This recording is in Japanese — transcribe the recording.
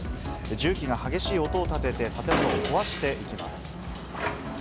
重機が激しい音を立てて建物を壊していきます。